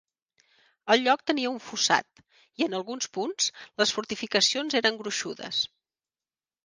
El lloc tenia un fossat i, en alguns punts, les fortificacions eren gruixudes.